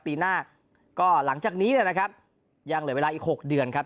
ปีหน้าก็หลังจากนี้นะครับยังเหลือเวลาอีก๖เดือนครับ